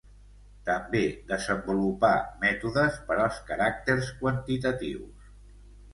També desenvolupà mètodes per als caràcters quantitatius.